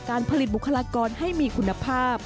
การผลิตบุคลากรให้มีคุณภาพ